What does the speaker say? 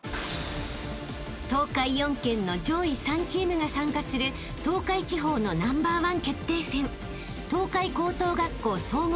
［東海４県の上位３チームが参加する東海地方のナンバーワン決定戦］